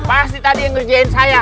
pasti tadi yang ngerjain saya